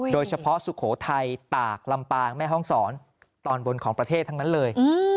สุโขทัยตากลำปางแม่ห้องศรตอนบนของประเทศทั้งนั้นเลย